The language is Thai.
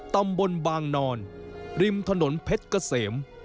ตำบลบางนอนริมถนนเพชรเกษม